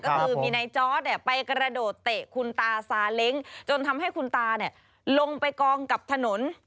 ก็คือมีนายจอร์ดไปกระโดดเตะคุณตาซาเล้งจนทำให้คุณตาลงไปกองกับถนน